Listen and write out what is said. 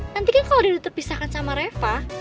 nanti kan kalo dia udah terpisah sama reva